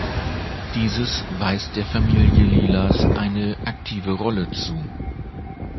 Dieses weist der Familie Lilas eine aktive Rolle zu.